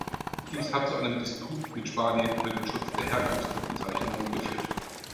Dies hat zu einem Disput mit Spanien über den Schutz der Herkunftsbezeichnung geführt.